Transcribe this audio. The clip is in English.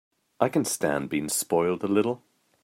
I can stand being spoiled a little.